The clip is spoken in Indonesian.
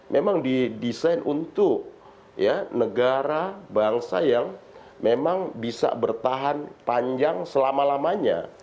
memang didesain untuk negara bangsa yang memang bisa bertahan panjang selama lamanya